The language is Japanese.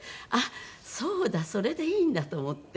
そうだそれでいいんだと思って。